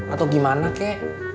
atau gimana kek